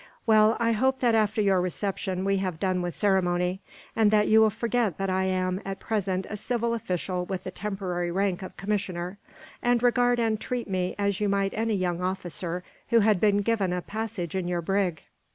Well, I hope that after your reception we have done with ceremony; and that you will forget that I am, at present, a civil official with the temporary rank of commissioner, and regard and treat me as you might any young officer who had been given a passage in your brig.